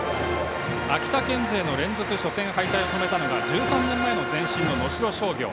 秋田県勢の連続初戦敗退を止めたのが１３年前の前身の能代商業。